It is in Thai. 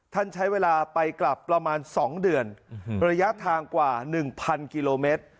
ท่านใช้เวลาไปกลับประมาณสองเดือนระยะทางกว่าหนึ่งพันกิโลเมตร